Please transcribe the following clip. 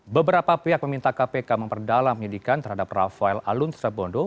beberapa pihak meminta kpk memperdalam penyidikan terhadap rafael alun tsabondo